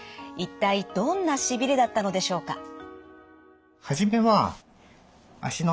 一体どんなしびれだったのでしょうか？